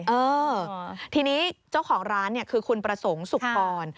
เออทีนี้เจ้าของร้านเนี่ยคือคุณประสงค์สุขกร